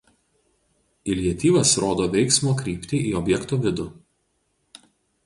Iliatyvas rodo veiksmo kryptį į objekto vidų.